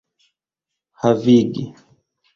havigi